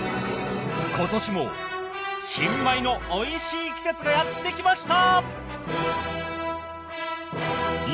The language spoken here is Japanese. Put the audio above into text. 今年も新米のおいしい季節がやってきました！